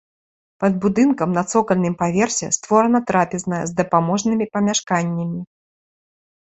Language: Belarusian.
Пад будынкам на цокальным паверсе створана трапезная з дапаможнымі памяшканнямі.